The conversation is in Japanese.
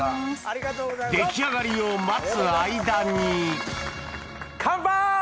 出来上がりを待つ間にカンパイ！